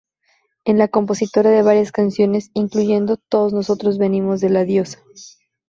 Es la compositora de varias canciones, incluyendo "Todos nosotros venimos de la Diosa".